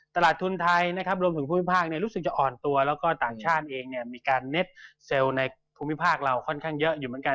ตลาดทุนไทยนะครับรวมถึงภูมิภาครู้สึกจะอ่อนตัวแล้วก็ต่างชาติเองเนี่ยมีการเน็ตเซลล์ในภูมิภาคเราค่อนข้างเยอะอยู่เหมือนกัน